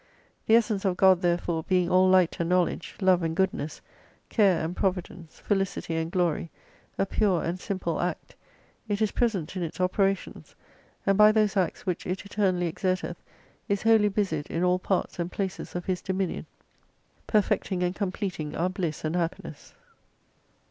The essence oi God therefore being all light and knowledge, love and goodness, care and providence, felicity and glory, a pure and simple act, it is present in its operations, and by those acts which it eternally exerteth is wholly busied in all parts and places of His dominion, perfecting and completing our bliss and happiness.